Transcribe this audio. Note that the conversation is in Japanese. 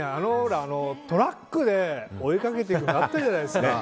トラックで追いかけてるのあったじゃないですか。